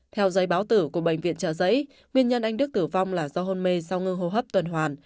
theo giấy báo tử của bệnh viện trợ giấy nguyên nhân anh đức tử vong là do hôn mê sau ngưng hô hấp tuần hoàn